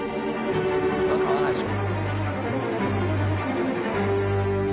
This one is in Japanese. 「これは買わないでしょ」